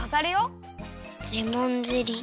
レモンゼリー。